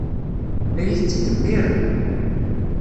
La iyi-tettdemmirem.